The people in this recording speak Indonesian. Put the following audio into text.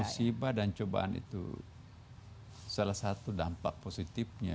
musibah dan cobaan itu salah satu dampak positifnya